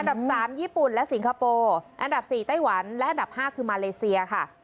ดับ๓ญี่ปุ่นและสิงคโปร์อันดับ๔ไต้หวันและอันดับ๕คือมาเลเซียค่ะ